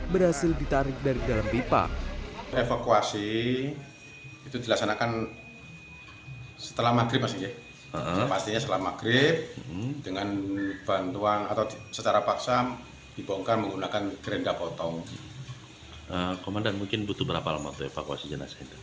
berhasil ditarik dari dalam pipa